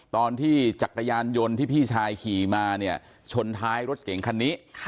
จักรยานยนต์ที่พี่ชายขี่มาเนี่ยชนท้ายรถเก่งคันนี้